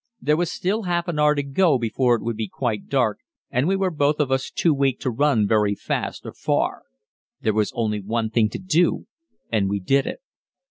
There was still half an hour to go before it would be quite dark, and we were both of us too weak to run very fast or far. There was only one thing to do, and we did it.